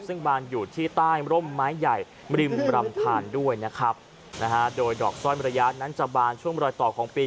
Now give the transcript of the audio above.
ซึ่งบานอยู่ที่ใต้ร่มไม้ใหญ่ริมรำทานด้วยนะครับนะฮะโดยดอกสร้อยมระยะนั้นจะบานช่วงรอยต่อของปี